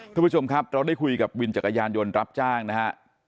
ทุกผู้ชมครับเราได้คุยกับวินจักรยานยนต์รับจ้างนะฮะ